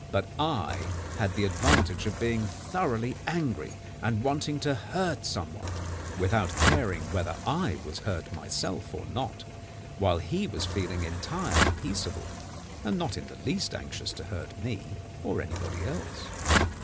But I had the advantage of being thoroughly angry and wanting to hurt someone, without caring whether I was hurt myself or not, while he was feeling entirely peaceable, and not in the least anxious to hurt me or anybody else.